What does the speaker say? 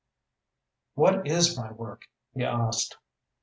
"What is my work?" he asked.